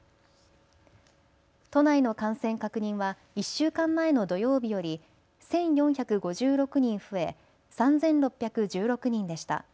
都内の感染確認は１週間前の土曜日より１４５６人増え３６１６人でした。